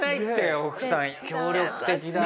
奥さん協力的だわ。